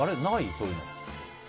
そういうの。